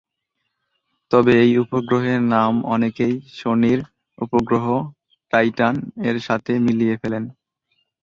তবে এই উপগ্রহের নাম অনেকেই শনির উপগ্রহ টাইটান-এর সাথে মিলিয়ে ফেলেন।